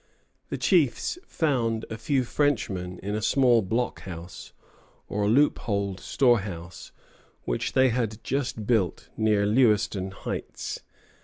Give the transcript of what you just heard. The chiefs found a few Frenchmen in a small blockhouse, or loopholed storehouse, which they had just built near Lewiston Heights.